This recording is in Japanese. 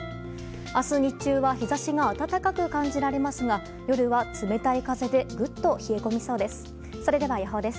明日日中は日差しが暖かく感じられますが夜は冷たい風でグッと冷え込みそうです。